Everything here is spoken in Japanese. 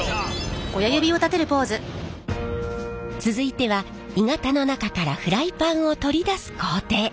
続いては鋳型の中からフライパンを取り出す工程。